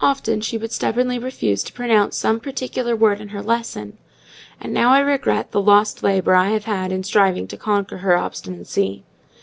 Often she would stubbornly refuse to pronounce some particular word in her lesson; and now I regret the lost labour I have had in striving to conquer her obstinacy.